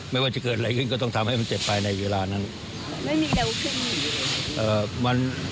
ไม่มีเร็วขึ้นอยู่เลย